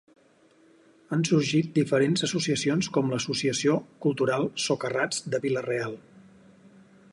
Han sorgit diferents associacions com l'Associació Cultural Socarrats de Vila-real.